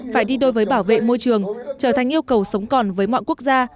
phải đi đôi với bảo vệ môi trường trở thành yêu cầu sống còn với mọi quốc gia